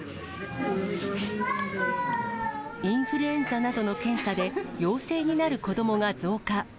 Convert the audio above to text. インフルエンザなどの検査で、陽性になる子どもが増加。